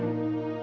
aku cukup tua